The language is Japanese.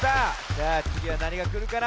さあつぎはなにがくるかな？